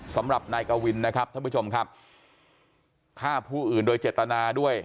สำหรับนายกวินนะครับท่านผู้ชมครับฆ่าผู้อื่นโดยเจตนาด้วย